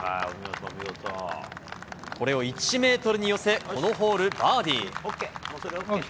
これを１メートルに寄せ、このホール、バーディー。